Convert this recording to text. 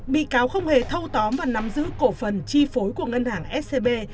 bị cáo không hề thâu tóm và nắm giữ cổ phần chi phối của ngân hàng scb